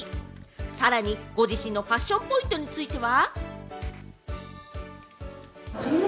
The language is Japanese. さらにご自身のファッションポイントについては。